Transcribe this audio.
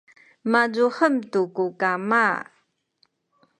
mazuhem tu ku kama